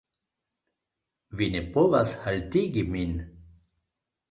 vi ne povas haltigi min.